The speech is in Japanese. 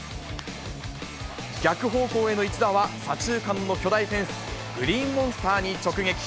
逆方向への一打は、左中間の巨大フェンス、グリーンモンスターに直撃。